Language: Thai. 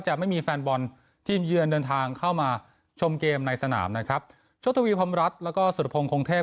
ไม่มีแฟนบอลทีมเยือนเดินทางเข้ามาชมเกมในสนามนะครับชกทวีพรมรัฐแล้วก็สุรพงศ์คงเทพ